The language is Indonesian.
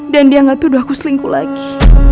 dan dia nggak tuduh aku selingkuh lagi